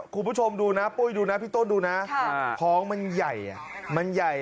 คุณผู้ชมดูนะปุ้ยดูนะพี่ต้นดูนะของมันใหญ่มันใหญ่